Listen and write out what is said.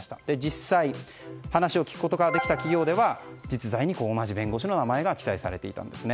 実際に話を聞くことができた企業では実在する同じ弁護士の名前が記載されていたんですね。